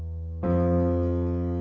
negeri terlarang bukan untuk main